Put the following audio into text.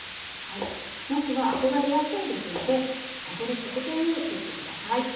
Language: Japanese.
なすはアクが出やすいので揚げる直前に切ってください。